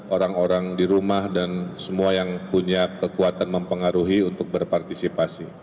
orang orang di rumah dan semua yang punya kekuatan mempengaruhi untuk berpartisipasi